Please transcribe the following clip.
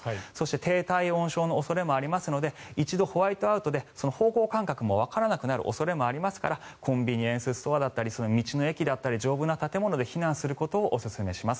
低体温症の恐れもあるのでホワイトアウトで方向がわからなくなる恐れもありますからコンビニエンスストアだったり道の駅など丈夫な建物で避難することをお勧めします。